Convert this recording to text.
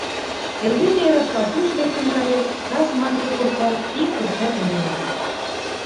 Эрдене эрак пасуш лектын кает, кас марке коштат, ик пырчат нойымаш уке.